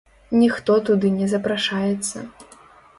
Ніхто туды не запрашаецца.